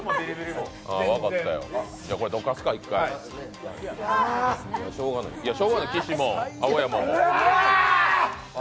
じゃ、どかすか一回しょうがない、岸も青山も。